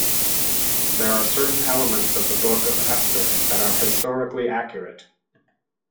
There are certain elements of the book of Esther that are historically accurate.